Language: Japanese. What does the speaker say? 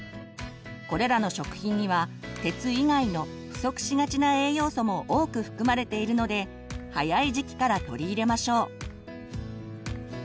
これらの食品には鉄以外の不足しがちな栄養素も多く含まれているので早い時期から取り入れましょう。